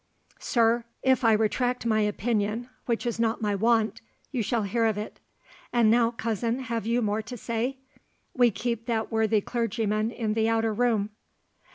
"Sir, if I retract my opinion, which is not my wont, you shall hear of it.—And now, cousin, have you more to say? We keep that worthy clergyman in the outer room."